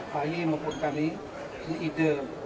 fahim mpun kami ini ide